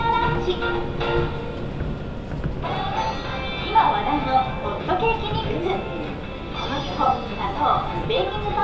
今話題のホットケーキミックス。